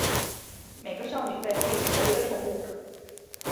每个少女被赋与特别的宠物。